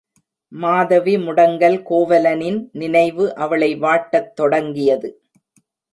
மாதவி முடங்கல் கோவலனின் நினைவு அவளை வாட்டத் தொடங் கியது.